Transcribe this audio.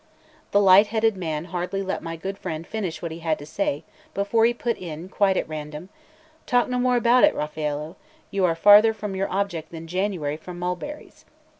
The light headed man hardly let my good friend finish what he had to say, before he put in quite at random: "Talk no more about it, Raffaello; you are farther from your object than January from mulberries."